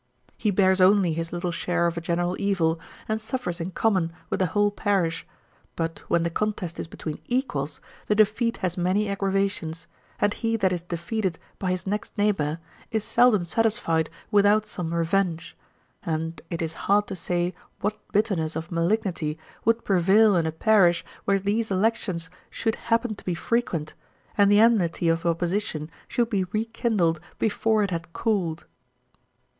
He bears only his little share of a general evil, and suffers in common with the whole parish; but when the contest is between equals, the defeat has many aggravations; and he that is defeated by his next neighbour, is seldom satisfied without some revenge; and it is hard to say what bitterness of malignity would prevail in a parish where these elections should happen to be frequent, and the enmity of opposition should be re kindled before it had cooled.'